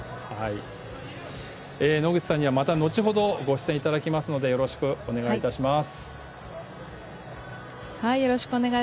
野口さんには、また後ほどご出演いただきますのでよろしくお願いいたします。